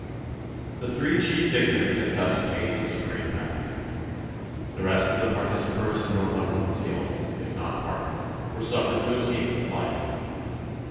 The three chief victims had thus paid the supreme penalty. The rest of the participators in Northumberland's guilt, if not pardoned, were suffered to escape with life.